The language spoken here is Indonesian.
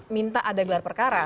minta ada gelar perkara